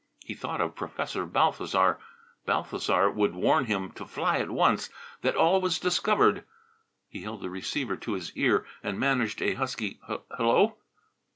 He thought of Professor Balthasar. Balthasar would warn him to fly at once; that all was discovered. He held the receiver to his ear and managed a husky "Hello!"